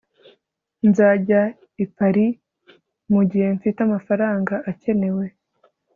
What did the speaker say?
Nzajya i Paris mugihe mfite amafaranga akenewe